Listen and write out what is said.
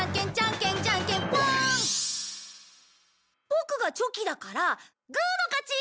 ボクがチョキだからグーの勝ち！